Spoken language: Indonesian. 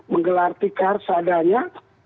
menggelar tikar seadanya